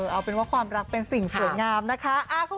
เอาเป็นว่าความรักเป็นสิ่งสวยงามนะคะ